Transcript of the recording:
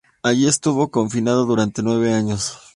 Allí estuvo confinado durante nueve años.